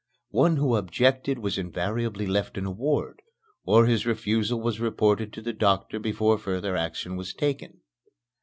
One who objected was invariably left in the ward, or his refusal was reported to the doctor before further action was taken.